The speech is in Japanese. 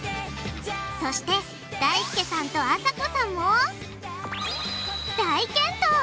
そしてだいすけさんとあさこさんも大健闘！